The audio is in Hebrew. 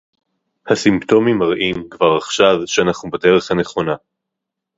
הסימפטומים מראים כבר עכשיו שאנחנו בדרך הנכונה